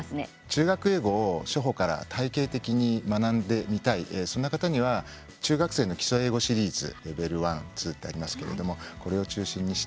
中学英語を初歩から体系的に学んでみたいそんな方には中学生の基礎英語シリーズレベル１、２とありますけれどもこれを中心にして。